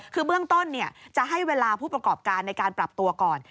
คือเบื้องต้นจะให้เวลาผู้ประกอบการในการปรับตัวก่อน